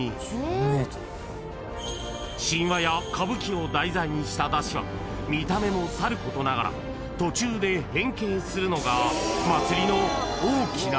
［を題材にした山車は見た目もさることながら途中で変形するのが祭りの］